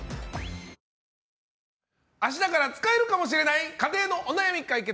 明日から使えるかもしれない家庭のお悩み解決！